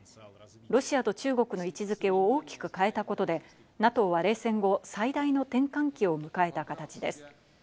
ロシアと中国の位置付けを大きく変えたことでＮＡＴＯは冷戦後、最大の転換期を迎えた形です。